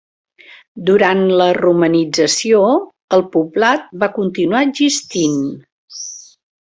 Durant la romanització, el poblat va continuar existint.